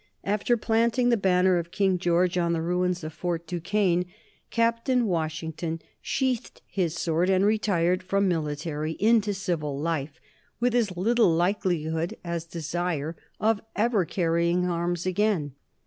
After planting the banner of King George on the ruins of Fort Duquesne, Captain Washington sheathed his sword and retired from military into civil life, with as little likelihood as desire of ever carrying arms again.